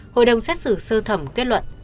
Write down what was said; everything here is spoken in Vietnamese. hội đồng xét xử sơ thẩm kết luận